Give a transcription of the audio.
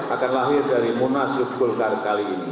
akan lahir dari munaslup golkar kali ini